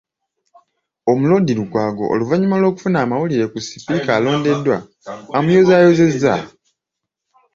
Omuloodi Lukwago oluvannyuma lw’okufuna amawulire ku sipiika alondeddwa, amuyozaayozezza